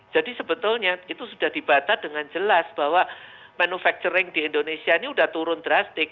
jadi sebetulnya itu sudah dibata dengan jelas bahwa manufacturing di indonesia ini sudah turun drastik